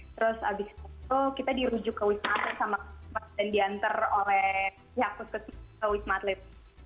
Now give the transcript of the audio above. terus abis itu kita dirujuk ke wisma atlet sama kewismat dan diantar oleh pihak kewismat ke wisma atlet